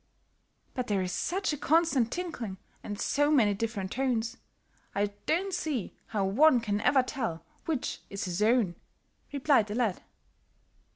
"But there is such a constant tinkling, and so many different tones, I don't see how one can ever tell which is his own," replied the lad.